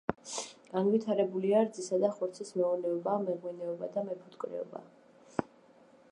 განვითარებულია რძისა და ხორცის მეურნეობა, მეღვინეობა და მეფუტკრეობა.